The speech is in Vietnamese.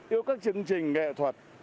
yêu các chương trình nghệ thuật